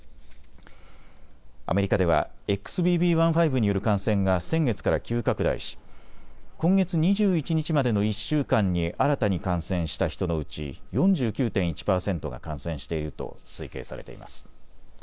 アメリカではＸＢＢ．１．５による感染が先月から急拡大し今月２１日までの１週間に新たに感染した人のうち４９．１％が感染していると推計されています。